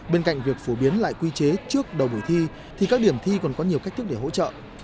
bên cạnh việc phổ biến lại quy chế trước đầu buổi thi thì các điểm thi còn có nhiều cách thức để hỗ trợ